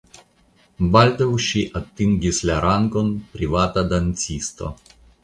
Baldaŭ ŝi atingis la rangon privata dancisto.